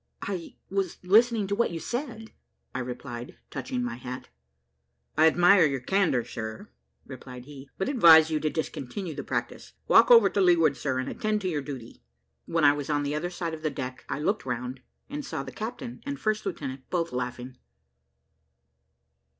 "I was listening to what you said," replied I, touching my hat. "I admire your candour, sir," replied he, "but advise you to discontinue the practice. Walk over to leeward, sir, and attend to your duty." When I was on the other side of the deck, I looked round, and saw the captain and first lieutenant both laughing.